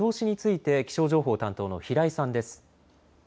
では、台風の見通しについて気象情報担当の平井さんです。